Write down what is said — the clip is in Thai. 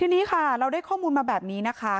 ทีนี้ค่ะเราได้ข้อมูลมาแบบนี้นะคะ